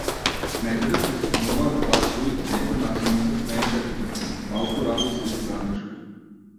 Од некаде пристигнуваа гласови, некој насилно се смееше, без ни малку радост или задршка.